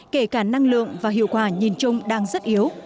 kể cả năng lượng và hiệu quả nhìn chung đang rất yếu